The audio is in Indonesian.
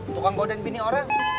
tukang godein bini orang